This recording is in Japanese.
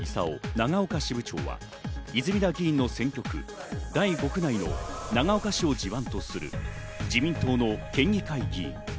長岡支部長は泉田議員の選挙区・第５区内の長岡市を地盤とする自民党の県議会議員。